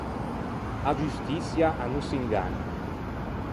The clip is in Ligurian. A giustiçia a no s’inganna.